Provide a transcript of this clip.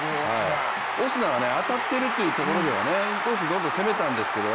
オスナは当たってるところではインコース、どんどん攻めたんですけど